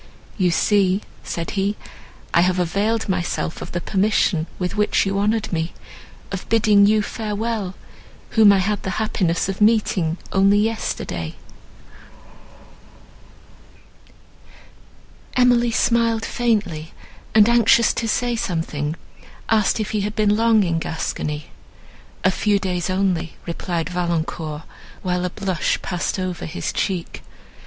"You see," said he, "I have availed myself of the permission with which you honoured me—of bidding you farewell, whom I had the happiness of meeting only yesterday." Emily smiled faintly, and, anxious to say something, asked if he had been long in Gascony. "A few days only," replied Valancourt, while a blush passed over his cheek.